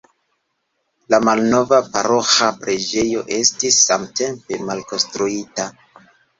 La malnova paroĥa preĝejo estis samtempe malkonstruita.